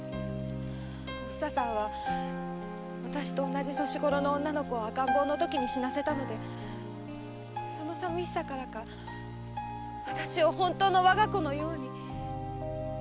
おふささんはあたしと同じ年頃の女の子を赤ん坊のときに死なせたのでそのさびしさからかあたしを本当の我が子のように。